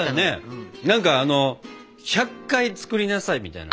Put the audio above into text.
何かあの１００回作りなさいみたいな。